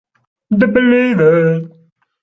The Believer